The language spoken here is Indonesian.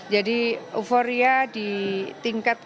jadi euforia di tingkat kabupaten